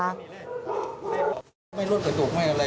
ตรงนี้ครับวิ่งแขง